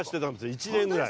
１年ぐらい。